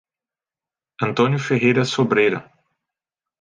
Antônio Ferreira Sobreira